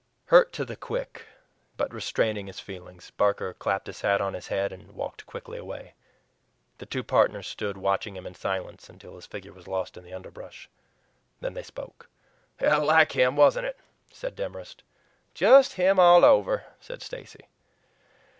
Hurt to the quick, but restraining his feelings, Barker clapped his hat on his head and walked quickly away. The two partners stood watching him in silence until his figure was lost in the underbrush. Then they spoke. "Like him wasn't it?" said Demorest. "Just him all over," said Stacy.